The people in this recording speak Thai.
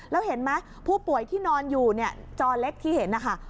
แล้วเห็นไหมผู้ป่วยที่นอนอยู่เนี่ยจอเล็กที่เห็นนะคะ